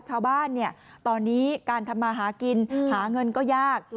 ชาวบ้านเนี่ยตอนนี้การทำมาหากินหาเงินก็ยาก